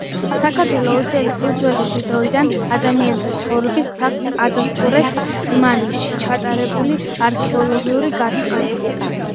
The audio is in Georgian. საქართველო უძველესი დროიდან ადამიანთა ცხოვრების ფაქტს ადასტურებს დმანისში ჩატარებული არქეოლოგიური გათხრები